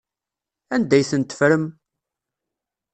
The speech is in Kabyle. Anda ay tent-teffrem?